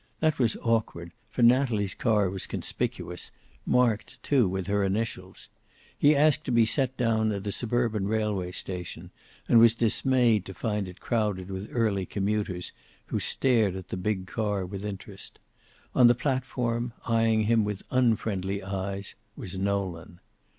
That was awkward, for Natalie's car was conspicuous, marked too with her initials. He asked to be set down at a suburban railway station, and was dismayed to find it crowded with early commuters, who stared at the big car with interest. On the platform, eyeing him with unfriendly eyes, was Nolan.